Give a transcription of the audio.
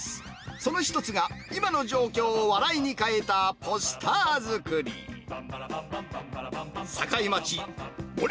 その一つが、今の状況を笑いに変えたポスター作り。